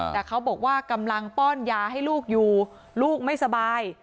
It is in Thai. แต่เขาบอกว่ากำลังป้อนยาให้ลูกอยู่ลูกไม่สบาย